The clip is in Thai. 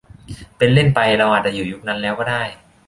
เป็นเล่นไป เราอาจจะอยู่ยุคนั้นแล้วก็ได้